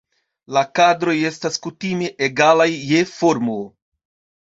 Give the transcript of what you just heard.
La kadroj estas kutime egalaj je formo.